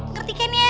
ngerti kan ya